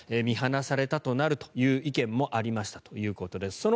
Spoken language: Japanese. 見放されたとなるという意見もありましたということです。